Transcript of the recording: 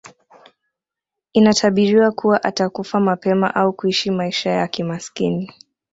Inatabiriwa kuwa atakufa mapema au kuishi maisha ya kimasikini